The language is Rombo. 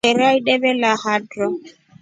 Sera ideve lo hatro.